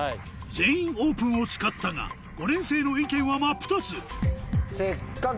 「全員オープン」を使ったが５年生の意見は真っ二つせっかく。